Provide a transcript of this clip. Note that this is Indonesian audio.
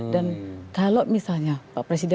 dan kalau misalnya pak presiden